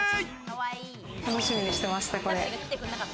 楽しみにしてました、これ。